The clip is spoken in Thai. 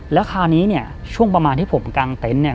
แล้วคราวนี้เนี่ยช่วงประมาณที่ผมกางเต็นต์เนี่ย